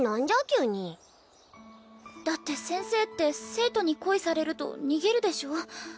急にだって先生って生徒に恋されると逃げるでしょ？